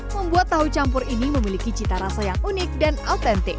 membuat tahu campur ini memiliki cita rasa yang unik dan autentik